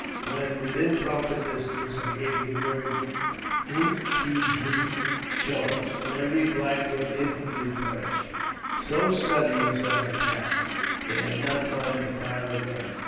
When within proper distance, I gave the word Hoo ki hi (charge), and every Black Foot instantly perished. So sudden was our attack, they had not time to fire a gun.